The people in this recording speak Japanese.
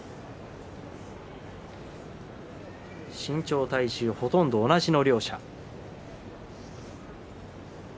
身長、体重ほとんど同じの両者。